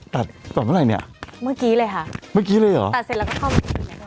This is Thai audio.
ตัดต่อเมื่อไหร่เนี่ยเมื่อกี้เลยค่ะเมื่อกี้เลยเหรอตัดเสร็จแล้วก็เข้าไป